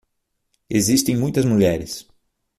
Existem muitas mulheres